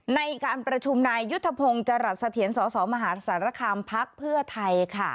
ในการประชุมนายยุทธพงศ์จรัสเสถียรสสมหาสารคามพักเพื่อไทยค่ะ